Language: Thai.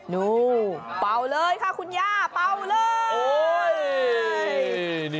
ดูเป่าเลยค่ะคุณย่าเป่าเลย